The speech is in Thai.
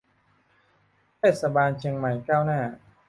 เทศบาลเชียงใหม่ก้าวหน้า